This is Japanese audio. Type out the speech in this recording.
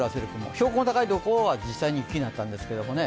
標高の高いところは、実際に雪だったんですけどもね。